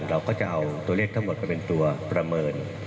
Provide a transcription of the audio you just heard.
เราก็จะเอาตัวเลขทั้งหมดไปเป็นตัวประเมิน